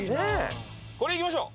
これいきましょう。